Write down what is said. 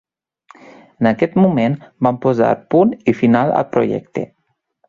En aquest moment, van posar punt i final al projecte.